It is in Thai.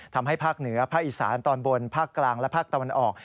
ภาคเหนือภาคอีสานตอนบนภาคกลางและภาคตะวันออก